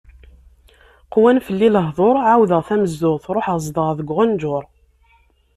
Qwan fell-i lehḍur, ɛawdeɣ tamezduɣt ruḥeɣ zedɣeɣ deg uɣenǧur.